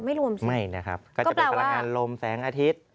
รวมสิไม่นะครับก็จะเป็นพลังงานลมแสงอาทิตย์